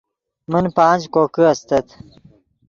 من پانچ کوکے استت